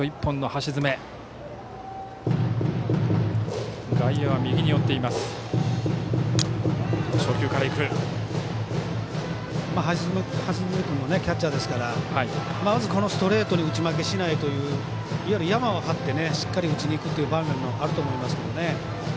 橋爪君もキャッチャーですからまず、このストレートに打ち負けしないといういわゆるヤマを張ってしっかり打ちにいく場面もあると思いますけどね。